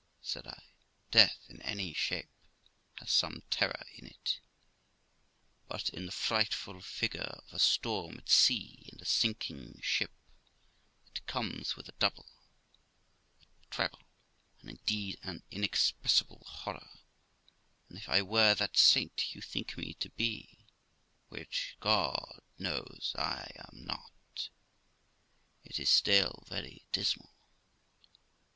said I, 'death in any shape has some terror in it, but in the frightful figure of a storm at sea and a sinking ship, it comes with a double, a treble, and indeed an inexpressible horror; and if I were that saint you think me to be (which God knows I am not), it is still very dismal.